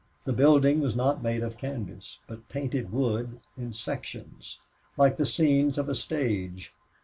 The building was not made of canvas, but painted wood in sections, like the scenes of a stage.